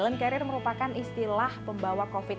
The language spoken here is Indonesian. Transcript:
silent career merupakan istilah pembawa covid sembilan belas